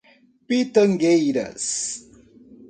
Pitangueiras